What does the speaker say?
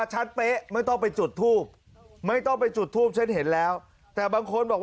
ไหน